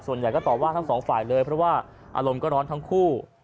ส่วนใหญ่ก็ตอบว่าทั้งสองฝ่ายเลยเพราะว่าอารมณ์ก็ร้อนทั้งคู่